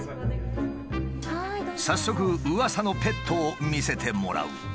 早速うわさのペットを見せてもらう。